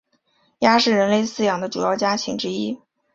鸭是人类饲养的主要家禽之一。